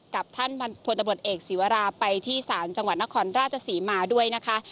กับท่านพลตำรวจเอกศีวราไปที่ศาลจังหวัดนครราชศรีมาด้วยนะคะ